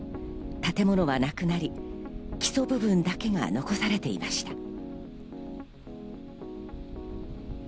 建物はなくなり、基礎部分だけが残されていました。